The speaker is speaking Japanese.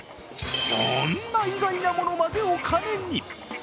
こんな意外なものまでお金に。